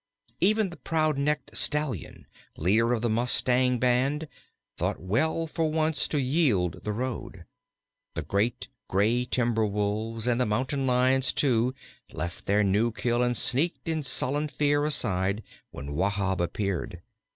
Even the proud necked Stallion, leader of the mustang band, thought well for once to yield the road. The great, grey Timberwolves, and the Mountain Lions too, left their new kill and sneaked in sullen fear aside when Wahb appeared.